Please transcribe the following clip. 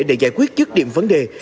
để giải quyết chức điểm vấn đề